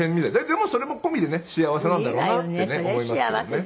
でもそれも込みでね幸せなんだろうなってね思いますけどね。